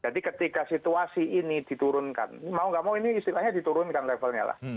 jadi ketika situasi ini diturunkan mau gak mau ini istilahnya diturunkan levelnya lah